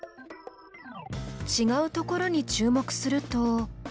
ちがうところに注目すると。